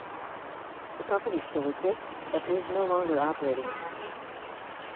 The company still exists, but is no longer operating.